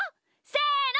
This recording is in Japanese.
せの！